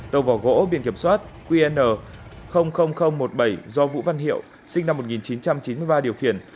tàu vỏ gỗ biển kiểm soát qn một mươi bảy do vũ văn hiệu sinh năm một nghìn chín trăm chín mươi ba điều khiển